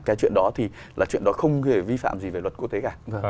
cái chuyện đó thì là chuyện đó không thể vi phạm gì về luật quốc tế cả